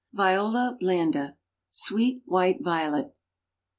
VIOLA BLANDA. (Sweet White Violet.)